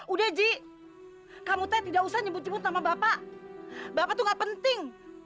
udah ji kamu tak usah nyebut nyebut sama bapak bapak tuh gak penting